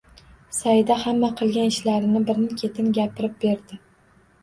Saida hamma qilgan ishlarini birin-ketin gapirib berdi